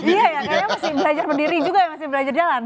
iya ya kayaknya masih belajar berdiri juga ya masih belajar jalan